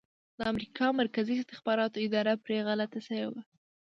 د امریکا مرکزي استخباراتو اداره پرې غلط شوي وو